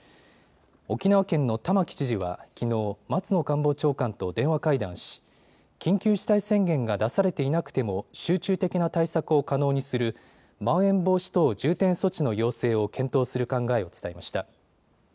沖縄県の玉城知事はきのう、松野官房長官と電話会談し緊急事態宣言が出されていなくても集中的な対策を可能にするまん延防止等重点措置の要請を検討する考えを伝えました。